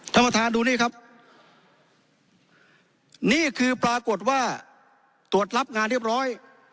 ท่านประธานดูนี่ครับนี่คือปรากฏว่าตรวจรับงานเรียบร้อย